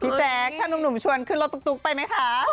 แจ๊คถ้านุ่มชวนขึ้นรถตุ๊กไปไหมคะ